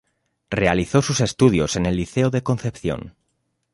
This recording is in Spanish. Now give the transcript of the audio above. Realizó sus estudios en el Liceo de Concepción.